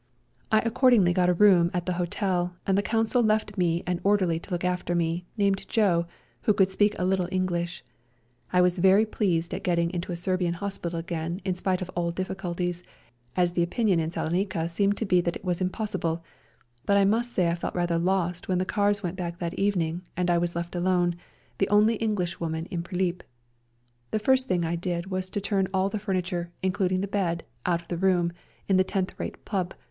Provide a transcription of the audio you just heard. I ac cordingly got a room at the hotel, and the Consul left me an orderly to look after me,, named Joe, who could speak a little English. I was very pleased at getting into a Serbian hospital again in spite of all difficulties, as the opinion in Salonica seemed to be that it was impossible ; but I must say I felt rather lost when the cars went back that evening and I was left alone, the only Englishwoman in Prilip. The first thing I did was to turn all the furniture, including the bed, out of the room in the tenth rate pub.